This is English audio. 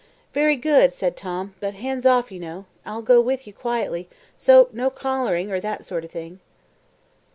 "Very good," said Tom; "but hands off, you know. I'll go with you quietly, so no collaring or that sort of thing."